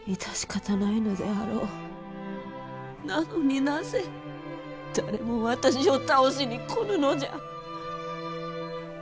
なのになぜ誰も私を倒しに来ぬのじゃ？